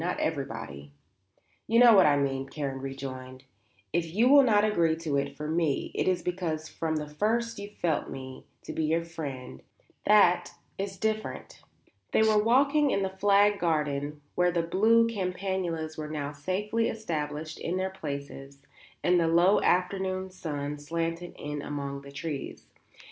"Not everybody." "You know what I mean," Karen rejoined. "If you will not agree to it for me, it is because from the first you felt me to be your friend; that is different." They were walking in the flagged garden where the blue campanulas were now safely established in their places and the low afternoon sun slanted in among the trees.